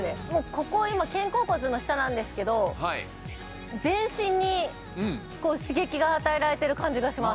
ここ今肩甲骨の下なんですけど全身に刺激が与えられてる感じがします